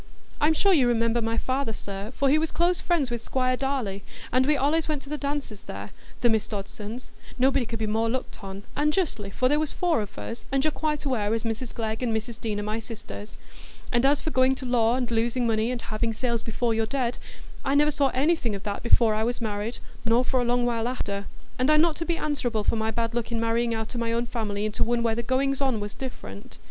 I'm sure you remember my father, sir, for he was close friends with Squire Darleigh, and we allays went to the dances there, the Miss Dodsons,—nobody could be more looked on,—and justly, for there was four of us, and you're quite aware as Mrs Glegg and Mrs Deane are my sisters. And as for going to law and losing money, and having sales before you're dead, I never saw anything o' that before I was married, nor for a long while after. And I'm not to be answerable for my bad luck i' marrying out o' my own family into one where the goings on was different.